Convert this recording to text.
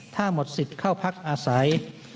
ถ้าหมดสิทธิ์เข้าพักอาศัย